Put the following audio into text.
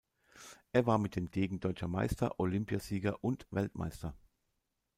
Er war mit dem Degen deutscher Meister, Olympiasieger und Weltmeister.